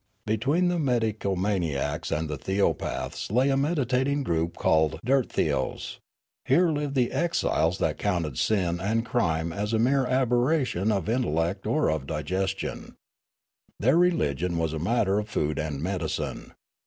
'' Between the medicomaniacs and the theopaths laj' a mediating group called Dirtethos ; here lived the exiles that counted sin and crime as a mere aberration of in tellect or of digestion ; their religion was a matter of food and medicine.